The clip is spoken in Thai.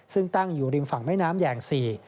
ซึ่งตั้งอยู่ริมฝั่งแม่น้ำแหย่งสี่